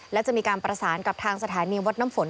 และจะมีการประสานกับทางสถานีวัดน้ำฝน